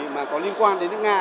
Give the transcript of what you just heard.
mà có liên quan đến nước nga